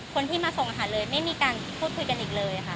คนที่มาส่งอาหารเลยไม่มีการพูดคุยกันอีกเลยค่ะ